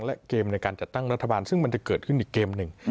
และเกมในการจัดตั้งรัฐบาลซึ่งมันจะเกิดขึ้นอีกเกมหนึ่ง